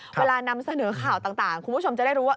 เวลานำเสนอข่าวต่างคุณผู้ชมจะได้รู้ว่า